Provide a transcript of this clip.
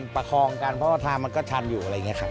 ประคองกันเพราะว่าทางมันก็ชันอยู่อะไรอย่างนี้ครับ